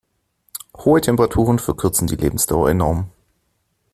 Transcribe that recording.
Hohe Temperaturen verkürzen die Lebensdauer enorm.